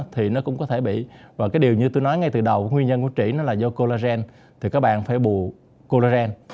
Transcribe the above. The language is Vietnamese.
thì các bạn phải bù collagen